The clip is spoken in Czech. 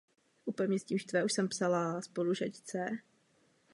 Jeho matkou byla Eliška z Kolovrat.